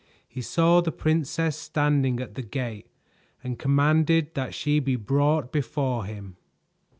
He saw the princess standing at the gate and commanded that she be brought before him.